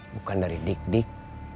bukan dari dik dik